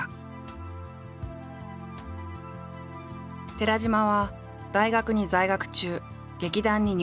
寺島は大学に在学中劇団に入団。